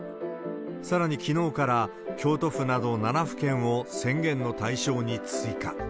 さらにきのうから、京都府など７府県を宣言の対象に追加。